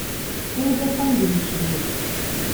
Awi-d asandwič-nnek.